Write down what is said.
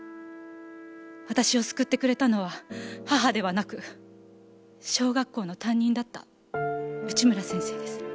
私を救ってくれたのは母ではなく小学校の担任だった内村先生です。